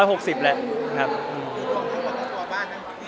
ดูก่อนถ้าไม่ว่าก็ตัวบ้านนั้น